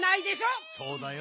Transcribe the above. そうだよ。